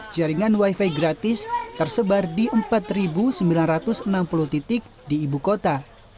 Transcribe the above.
jaringan wifi gratis tersebar di empat sembilan ratus enam puluh titik di ibu kota